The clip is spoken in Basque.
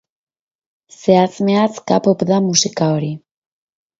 Zehatz mehatz K-pop da musika hori.